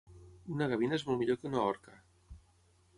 Una gavina és molt millor que una orca